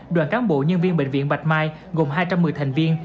đoàn cán bộ nhân viên bệnh viện bạch mai gồm hai trăm một mươi thành viên